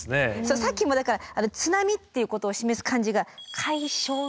さっきもだから津波っていうことを示す漢字が「海嘯」って。